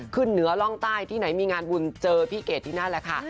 ขึ้นเหนือร่องใต้ที่ไหนมีงานบุญเจอพี่เกดที่นั่นแหละค่ะ